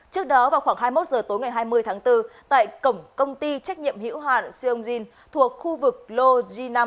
trước đó vào khoảng hai mươi một h tối ngày hai mươi tháng bốn tại cổng công ty trách nhiệm hiểu hoàn siêu âm dinh thuộc khu vực lô g năm